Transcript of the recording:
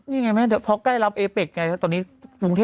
นี่ไงแม่ไหนพอไกลรับเอเบกไงบ้าง